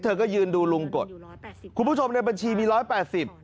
เธอก็ยืนดูลุงกดคุณผู้ชมในบัญชีมี๑๘๐บาท